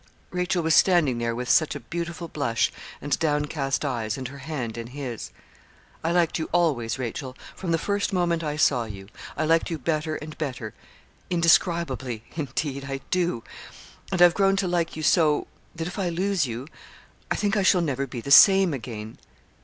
Rachel was standing there with such a beautiful blush, and downcast eyes, and her hand in his. 'I liked you always, Rachel, from the first moment I saw you I liked you better and better indescribably indeed, I do; and I've grown to like you so, that if I lose you, I think I shall never be the same again.'